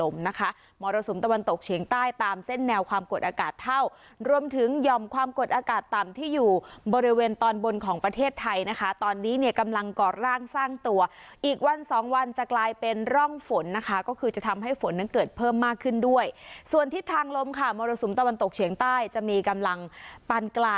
ส่วนใต้ตามเส้นแนวความกดอากาศเท่ารวมถึงหย่อมความกดอากาศต่ำที่อยู่บริเวณตอนบนของประเทศไทยนะคะตอนนี้เนี่ยกำลังก่อร่างสร้างตัวอีกวันสองวันจะกลายเป็นร่องฝนนะคะก็คือจะทำให้ฝนนั้นเกิดเพิ่มมากขึ้นด้วยส่วนทิศทางลมค่ะมรสุมตะวันตกเฉียงใต้จะมีกำลังปันก